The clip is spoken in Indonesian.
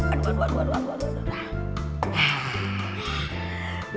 aduh aduh aduh